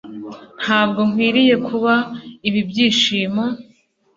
ntabwo nkwiriye kuba ibi byishimo